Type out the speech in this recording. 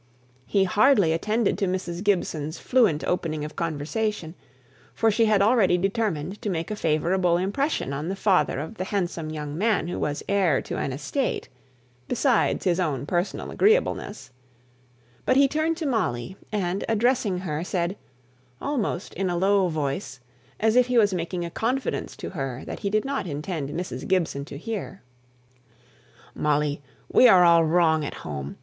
He hardly attended to Mrs. Gibson's fluent opening of conversation, for she had already determined to make a favourable impression on the father of the handsome young man who was heir to an estate, besides his own personal agreeableness; but he turned to Molly and, addressing her, said almost in a low voice, as if he was making a confidence to her that he did not intend Mrs. Gibson to hear, "Molly, we are all wrong at home!